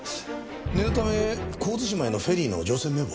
念のため神津島へのフェリーの乗船名簿を。